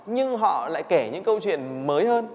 nhưng họ lại kể những câu chuyện mới hơn